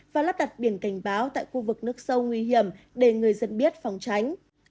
và lắp đặt biển cảnh báo tại khu vực nước sâu nguy hiểm để người dân biết phòng tránh